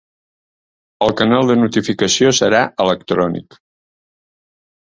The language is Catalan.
El canal de notificació serà electrònic.